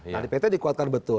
nah di pt dikuatkan betul